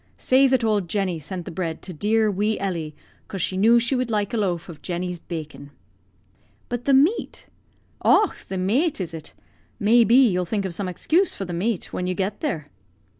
Say that old Jenny sent the bread to dear wee Ellie, 'cause she knew she would like a loaf of Jenny's bakin'." "But the meat." "Och, the mate, is it? May be, you'll think of some excuse for the mate when you get there."